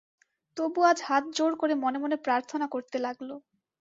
তবু আজ হাত জোড় করে মনে মনে প্রার্থনা করতে লাগল।